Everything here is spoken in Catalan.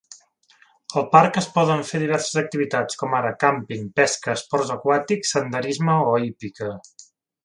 El parc es poden fer diverses activitats, com ara càmping, pesca, esports aquàtics, senderisme o hípica.